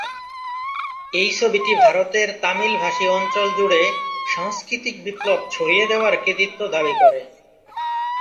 এই ছবিটি ভারতের তামিল ভাষী অঞ্চল জুড়ে "সাংস্কৃতিক বিপ্লব" ছড়িয়ে দেওয়ার কৃতিত্ব দাবি করে।